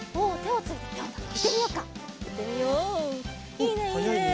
いいねいいね！